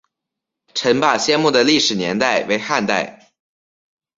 陈霸先墓的历史年代为汉代。